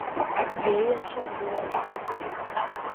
结怨甚多。